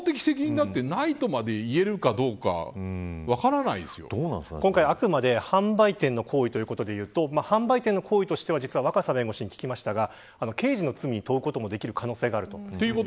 でも、法的責任だってない、とまでいえるかどうか今回あくまで販売店の行為ということでいうと販売店の行為としては若狭弁護士に聞きましたが刑事の罪に問うこともできる可能性がある。